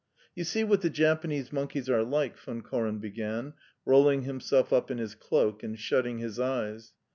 "You see what the Japanese monkeys are like," Von Koren began, rolling himself up in his cloak and shutting his eyes.